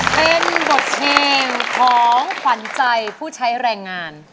เป็นบทเพลงของขวัญใจผู้ใช้แรงงาน